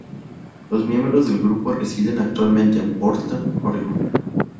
Los miembros del grupo residen actualmente en Portland, Oregón.